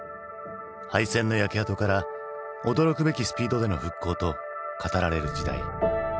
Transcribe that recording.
敗戦の焼け跡から驚くべきスピードでの復興と語られる時代。